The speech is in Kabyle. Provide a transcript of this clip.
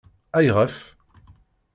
Ayɣef?